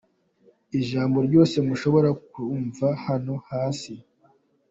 Ijambo ryose mushobora kuryumva hano hasi: